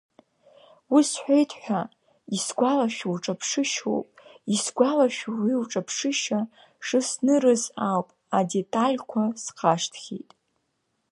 Уи сҳәеитҳәа, исгәалашәо лҿаԥшышьоуп, исгәалашәо уи лҿаԥшышьа шыснырыз ауп, адеталькәа схашҭхьеит.